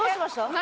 何？